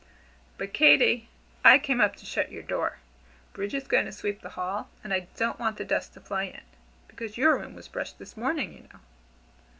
"But Katy, I came up to shut your door. Bridget's going to sweep the hall, and I don't want the dust to fly in, because your room was brushed this morning, you know."